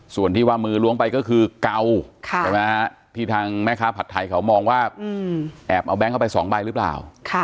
ส่วนที่ว่ามือล้วงไปก็คือเก่าที่ทางแม่ค้าผัดไทยเขามองว่าแอบเอาแบงค์เข้าไป๒ใบหรือเปล่า